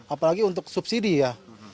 apalagi untuk subsidi ya